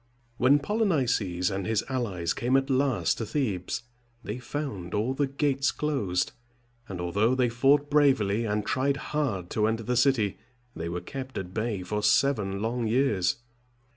When Polynices and his allies came at last to Thebes, they found all the gates closed; and although they fought bravely, and tried hard to enter the city, they were kept at bay for seven long years.